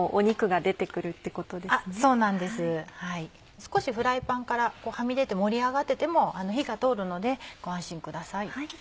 少しフライパンからはみ出て盛り上がってても火が通るのでご安心ください。